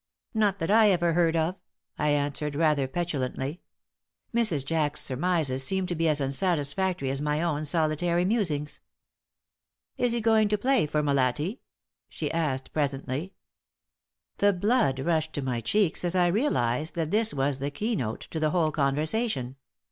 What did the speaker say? "Not that I ever heard of," I answered, rather petulantly. Mrs. Jack's surmises seemed to be as unsatisfactory as my own solitary musings. "Is he going to play for Molatti?" she asked, presently. The blood rushed to my cheeks as I realized that this was the keynote to the whole conversation.